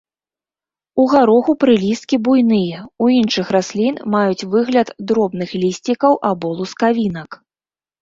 У гароху прылісткі буйныя, у іншых раслін маюць выгляд дробных лісцікаў або лускавінак.